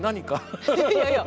いやいやいや。